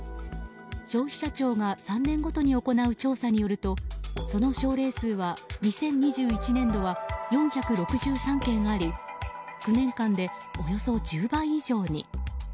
消費者庁が３年ごとに行う調査によるとその症例数は２０２１年度は４６３件あり９年間でおよそ１０倍以上に。